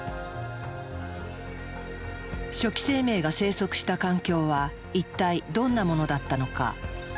初期生命が生息した環境は一体どんなものだったのか？